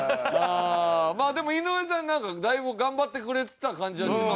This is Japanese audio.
まあでも井上さんなんかだいぶ頑張ってくれてた感じはしますけど。